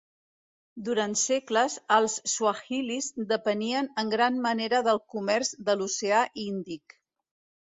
Durant segles, els suahilis depenien en gran manera del comerç de l'Oceà Índic.